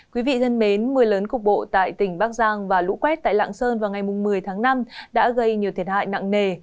quý vị thân mến mưa lớn cục bộ tại tỉnh bắc giang và lũ quét tại lạng sơn vào ngày một mươi tháng năm đã gây nhiều thiệt hại nặng nề